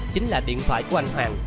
chính là điện thoại của anh hoàng